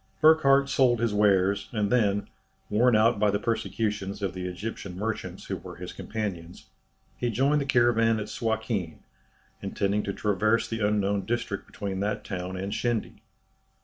Burckhardt sold his wares, and then, worn out by the persecutions of the Egyptian merchants who were his companions, he joined the caravan at Suakin, intending to traverse the unknown district between that town and Shendy.